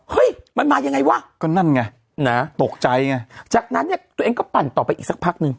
เฮ้ยมันมายังไงวะก็นั่นไงนะตกใจไงจากนั้นเนี่ยตัวเองก็ปั่นต่อไปอีกสักพักนึง